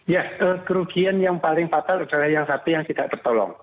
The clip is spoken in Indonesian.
ya kerugian yang paling fatal adalah yang satu yang tidak tertolong